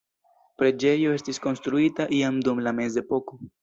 Preĝejo estis konstruita iam dum la mezepoko.